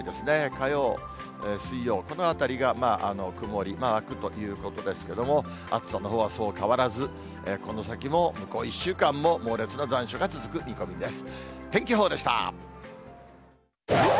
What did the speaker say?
火曜、水曜、このあたりが曇りマークということですけれども、暑さのほうはそう変わらず、この先も、向こう１週間も猛烈な残暑が続く見込みです。